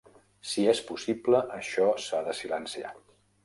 Si és possible, això s'ha de silenciar.